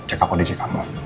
cek aku di cek kamu